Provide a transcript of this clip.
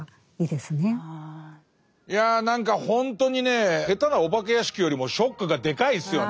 いや何かほんとにね下手なお化け屋敷よりもショックがでかいですよね。